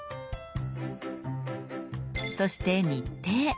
そして「日程」。